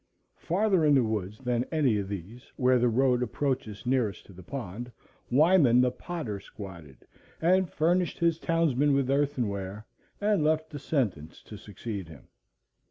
Farther in the woods than any of these, where the road approaches nearest to the pond, Wyman the potter squatted, and furnished his townsmen with earthen ware, and left descendants to succeed him.